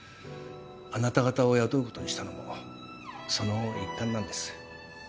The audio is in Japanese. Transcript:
あなた方を雇うことにしたのもその一環なんです。